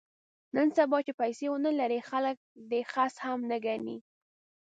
نن سبا چې پیسې ونه لرې خلک دې خس هم نه ګڼي.